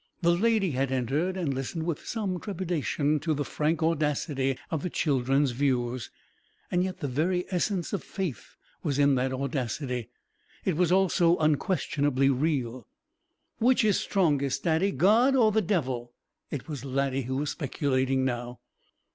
The Lady had entered and listened with some trepidation to the frank audacity of the children's views. Yet the very essence of faith was in that audacity. It was all so unquestionably real. "Which is strongest, Daddy, God or the Devil?" It was Laddie who was speculating now.